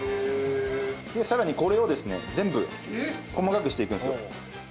さらにこれをですね全部細かくしていくんですよ。